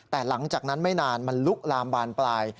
แต่หลังจากนั้นไม่นานมันลุกลามบานปลาย